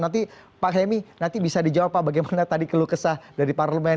nanti pak hemi nanti bisa dijawab pak bagaimana tadi keluh kesah dari parlemen